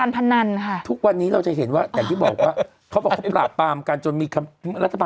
ไปไปดีไปหมดอะ